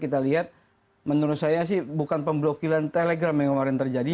kita lihat menurut saya sih bukan pemblokiran telegram yang kemarin terjadi